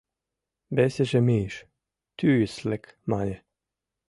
Весыже мийыш — туйыслык, мане.